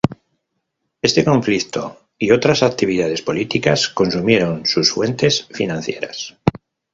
Este conflicto y otras actividades políticas consumieron sus fuentes financieras.